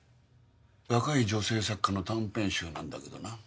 若い女性作家の短編集なんだけどな。